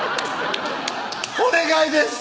お願いです！